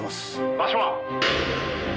「場所は？」